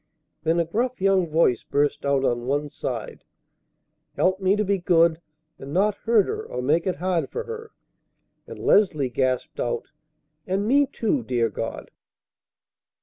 Then a gruff young voice burst out on one side, "Help me to be good, and not hurt her or make it hard for her." And Leslie gasped out, "And me, too, dear God!"